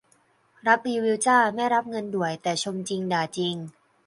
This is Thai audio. รับรีวิวจ้า ไม่รับเงินด่วย แต่ชมจริงด่าจริง